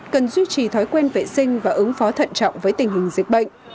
cần duy trì thói quen vệ sinh và ứng phó thận trọng với tình hình dịch bệnh